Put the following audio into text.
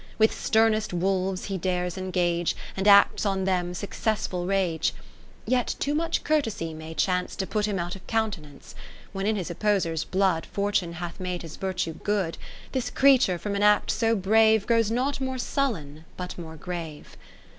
With sternest wolves he dares engage, And acts on them successful rage. Yet too much courtesy may chance To put him out of countenance. 20 When in his opposer's blood, Fortune hath made his virtue good ; This creature from an act so brave Grows not more sullen, but more grave.